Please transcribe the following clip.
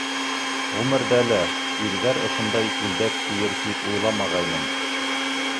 Ғүмерҙә лә ирҙәр ошондай күлдәк кейер тип уйламағайным.